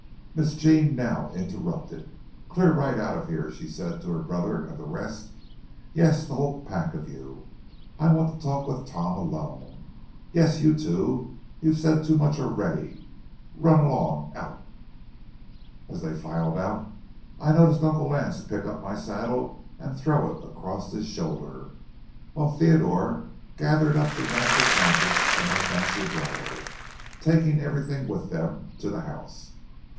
Miss Jean now interrupted. "Clear right out of here," she said to her brother and the rest. "Yes, the whole pack of you. I want to talk with Tom alone. Yes, you too—you've said too much already. Run along out." As they filed out, I noticed Uncle Lance pick up my saddle and throw it across his shoulder, while Theodore gathered up the rancid blankets and my fancy bridle, taking everything with them to the house.